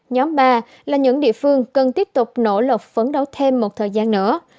nhóm ba là những địa phương cần tiếp tục nỗ lực phấn đấu thêm một thời gian nữa